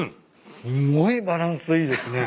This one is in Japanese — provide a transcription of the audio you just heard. すごいバランスいいですね。